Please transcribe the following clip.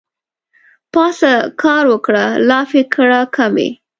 پاڅه کار وکړه لافې کړه کمې